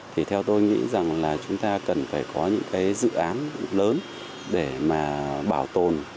thì theo tôi nghĩ rằng là chúng ta cần phải có những cái dự án lớn để mà bảo tồn